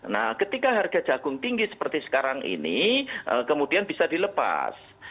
nah ketika harga jagung tinggi seperti sekarang ini kemudian bisa dilepas